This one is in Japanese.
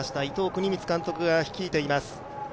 伊藤国光監督が率いています。